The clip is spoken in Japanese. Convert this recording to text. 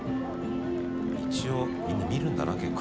豈みんな見るんだな結構。